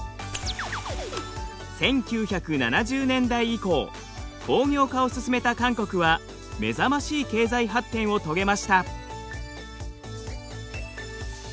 １９７０年代以降工業化を進めた韓国は目覚ましい経済発展を遂げました。